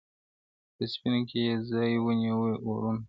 په سینو کي یې ځای ونیوی اورونو -